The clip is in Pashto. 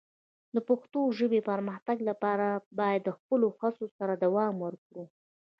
د پښتو ژبې پرمختګ ته باید د خپلو هڅو سره دوام ورکړو.